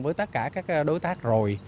với tất cả các đối tác rồi